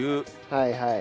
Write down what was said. はいはい。